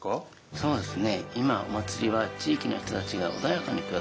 そうですね。